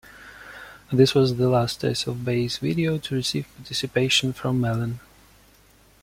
This was the last Ace of Base video to receive participation from Malin.